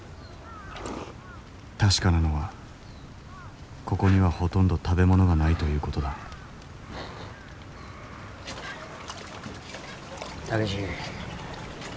確かなのはここにはほとんど食べ物がないという事だタケシ。